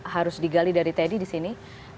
harus digali dari teddy di sini